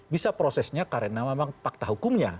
bisa prosesnya karena memang fakta hukumnya